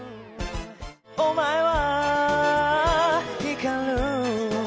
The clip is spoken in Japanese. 「お前は光る」